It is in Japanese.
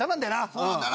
そうなんだよな。